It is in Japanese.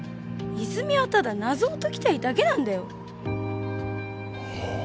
泉はただ謎を解きたいだけなんだよええ